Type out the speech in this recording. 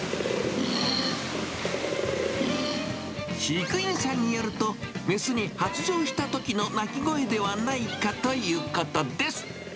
飼育員さんによると、雌に発情したときの鳴き声ではないかということです。